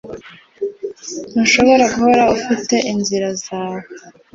Ntushobora guhora ufite inzira zawe